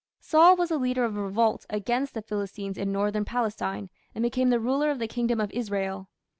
" Saul was the leader of a revolt against the Philistines in northern Palestine, and became the ruler of the kingdom of Israel.